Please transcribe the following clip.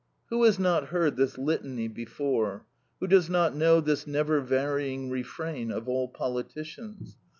Who has not heard this litany before? Who does not know this never varying refrain of all politicians?